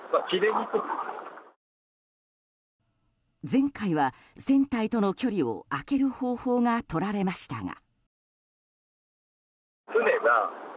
前回は船体との距離を空ける方法がとられましたが。